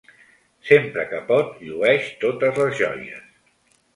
Sempre que pot llueix totes les joies.